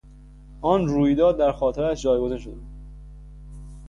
آن رویداد در خاطرهاش جایگزین شده بود.